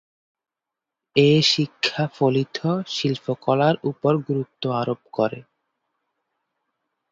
এ শিক্ষা ফলিত শিল্পকলার ওপর গুরুত্ব আরোপ করে।